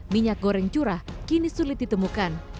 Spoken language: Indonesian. minyak goreng curah kini sulit ditemukan